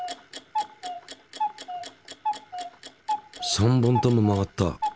３本とも曲がった。